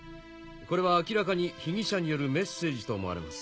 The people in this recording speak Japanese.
これは明らかに被疑者によるメッセージと思われます。